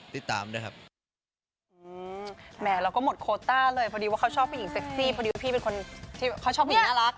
ติดตามด้วยครับ